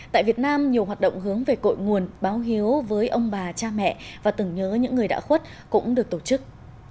tại việt nam nhiều hoạt động hướng về cội nguồn báo hiếu với ông bà cha mẹ và tưởng nhớ những người đã khuất cũng được tổ chức